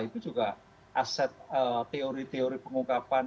itu juga aset teori teori pengungkapan